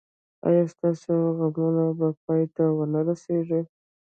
ایا ستاسو غمونه به پای ته و نه رسیږي؟